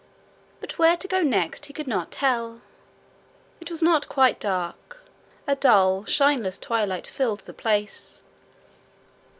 But where to go next he could not tell. It was not quite dark: a dull, shineless twilight filled the place.